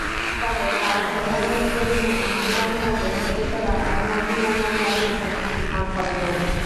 তবে কাল শেরেবাংলা স্টেডিয়ামে অনুশীলনের আগে সতীর্থরা আগাম অভিনন্দন জানিয়েছেন আনসারিকে।